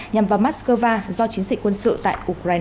nhằm vào moscow do chiến dịch quân sự tại ukraine